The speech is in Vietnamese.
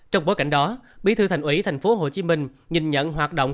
trong bối cảnh đó bí thư thành ủy thành phố hồ chí minh nhìn nhận hoạt động